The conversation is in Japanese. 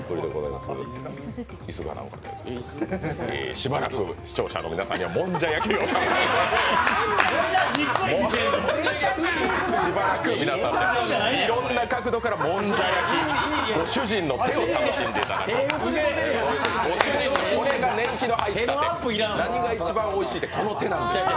しばらく視聴者の皆様にはもんじゃ焼きをしばらく皆さんでいろんな確度からもんじゃ焼きご主人の手、これが年季の入った手何が一番おいしいって、この手なんですよ。